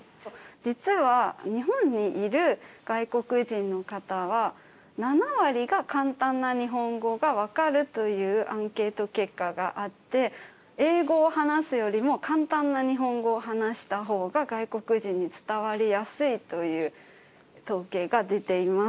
実は日本にいる外国人の方は７割が簡単な日本語が分かるというアンケート結果があって英語を話すよりも簡単な日本語を話したほうが外国人に伝わりやすいという統計が出ています。